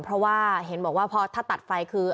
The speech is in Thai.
เพราะว่าเห็นบอกว่าพอถ้าตัดไฟคือ